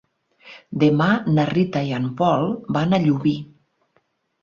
Demà na Rita i en Pol van a Llubí.